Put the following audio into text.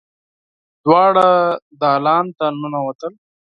دواړه دالان ته ننوتل.